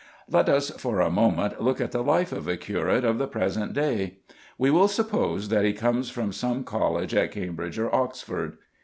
Let us for a moment look at the life of a curate of the present day. We will suppose that he comes from some college at Cambridge or Oxford.